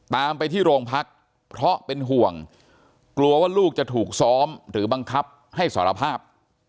ตามไปที่โรงพักเพราะเป็นห่วงกลัวว่าลูกจะถูกซ้อมหรือบังคับให้สารภาพ